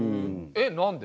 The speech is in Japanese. えっ何で？